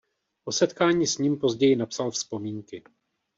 O setkání s ním později napsal vzpomínky.